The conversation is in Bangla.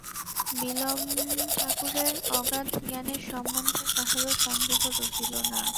বিল্বন ঠাকুরের অগাধ জ্ঞানের সম্বন্ধে কাহারও সন্দেহ রহিল না।